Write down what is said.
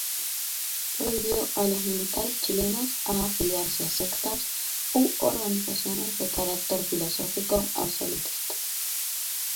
Prohibió a los militares chilenos a afiliarse a sectas u organizaciones de carácter filosófico-absolutista.